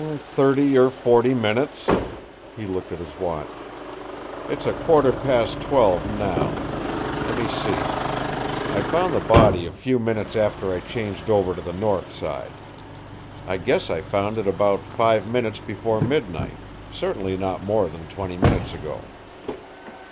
"Thirty or forty minutes." He looked at his watch. "It's a quarter past twelve now. Let me see. I found the body a few minutes after I changed over to the north side. I guess I found it about five minutes before midnight certainly not more than twenty minutes ago."